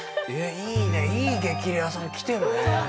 いい激レアさん来てるね。